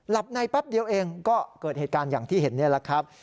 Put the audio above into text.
หลับในแป๊บเดียวเองก็เกิดเหตุการณ์อย่างที่เห็นนี่แหละครับ